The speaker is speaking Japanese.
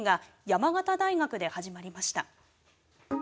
山形大学で始まりました。